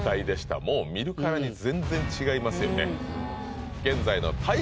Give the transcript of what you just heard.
もう見るからに全然違いますよね